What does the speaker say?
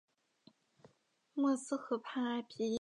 默斯河畔埃皮耶。